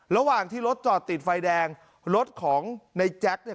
ระหว่างที่รถจอดติดไฟแดงรถของในแจ็คเนี่ย